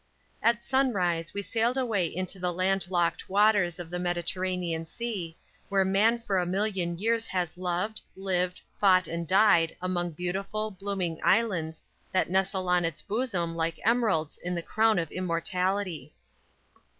At sunrise we sailed away into the land locked waters of the Mediterranean Sea, where man for a million years has loved, lived, fought and died among beautiful, blooming islands that nestle on its bosom like emeralds in the crown of immortality.